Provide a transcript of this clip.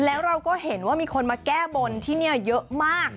แล้วเราก็เห็นว่ามีคนมาแก้บนที่นี่เยอะมาก